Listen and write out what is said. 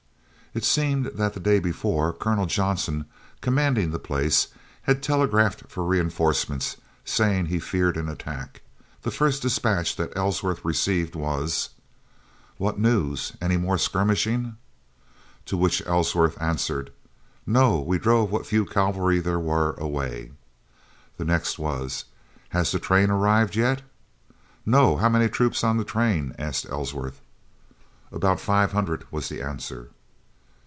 It seemed that the day before Colonel Johnson, commanding the place, had telegraphed for reinforcements, saying he feared an attack. The first dispatch that Ellsworth received was: "What news? Any more skirmishing?" To which Ellsworth answered: "No, we drove what few cavalry there were away." The next was: "Has the train arrived yet?" "No. How many troops on train?" asked Ellsworth. "About five hundred," was the answer.